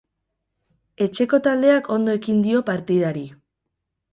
Etxeko taldeak ondo ekin dio partidari.